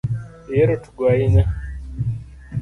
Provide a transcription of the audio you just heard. Ihero tugo ahinya